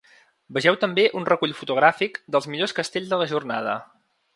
Vegeu també un recull fotogràfic dels millors castells de la jornada.